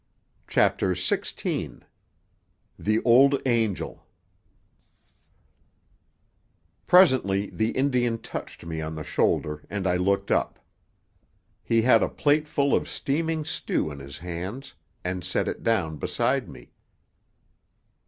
CHAPTER XVI TEE OLD ANGEL Presently the Indian touched me on the shoulder and I looked up. He had a plateful of steaming stew in his hands, and set it down beside me.